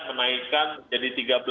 menaikkan jadi tiga belas